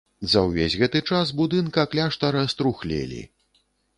За ўвесь гэты час будынка кляштара струхлелі.